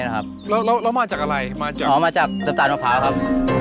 แล้วเรามาจากอะไรมาจากอ๋อมาจากตาลมะพร้าวครับ